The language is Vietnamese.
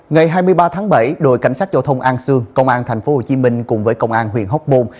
ngày hai mươi ba tháng bảy đội cảnh sát giao thông an sương công an tp hcm cùng với công an huyện hóc môn